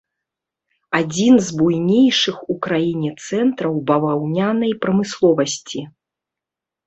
Адзін з буйнейшых у краіне цэнтраў баваўнянай прамысловасці.